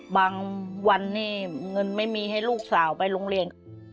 บางวันนี่เงินไม่มีให้ลูกสาวไปโรงเรียน